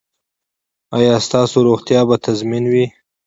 ایا ستاسو روغتیا به تضمین وي؟